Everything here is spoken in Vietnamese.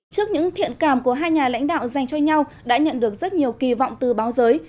trước những thiện cảm của hai nhà lãnh đạo dành cho nhau đã nhận được rất nhiều kỳ vọng từ báo giới